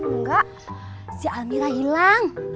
enggak si amirah hilang